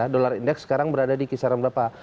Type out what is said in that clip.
dolar indeks sekarang berada di kisaran berapa